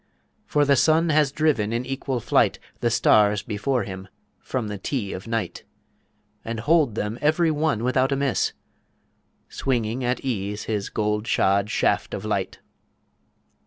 for the sun has driven in equal flight The stars before him from the Tee of Night, And holed them every one without a miss, Swinging at ease his gold shod Shaft of Light.